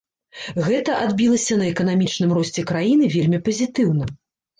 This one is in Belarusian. Гэта адбілася на эканамічным росце краіны вельмі пазітыўна.